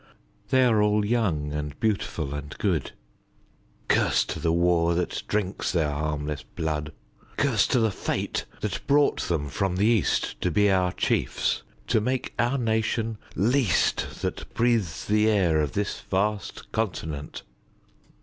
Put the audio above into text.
They all are young and beautiful and good; Curse to the war that drinks their harmless blood. Curse to the fate that brought them from the East To be our chiefs to make our nation least That breathes the air of this vast continent.